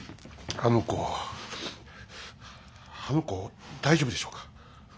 あの子大丈夫でしょうか。